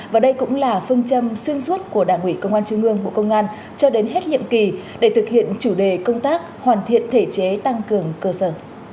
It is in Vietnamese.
và đây cũng là phương châm xuyên suốt của đảng ủy công an trung ương bộ công an cho đến hết nhiệm kỳ để thực hiện chủ đề công tác hoàn thiện thể chế tăng cường cơ sở